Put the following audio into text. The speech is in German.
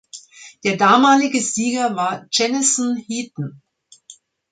Der damalige Sieger war Jennison Heaton.